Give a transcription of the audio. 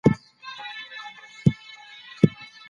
تاسي په دغه پېښي کي د خپل عمر اثر ولیدی؟